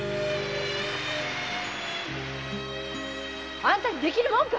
あんたに出来るもんか。